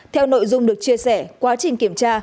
theo nội dung được chia sẻ quá trình kiểm tra